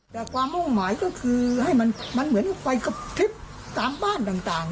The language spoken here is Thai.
แต่ความมุ่งหมายก็คือให้มันเหมือนไฟกระพริบตามบ้านต่าง